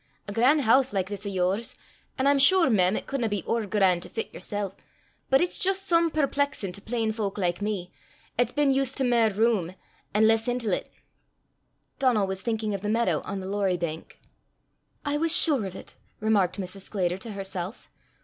A gran' hoose, like this o' yours an' I'm sure, mem, it cudna be ower gran' to fit yersel', but it's jist some perplexin' to plain fowk like me, 'at's been used to mair room, an' less intil 't." Donal was thinking of the meadow on the Lorrie bank. "I was sure of it!" remarked Mrs. Sclater to herself.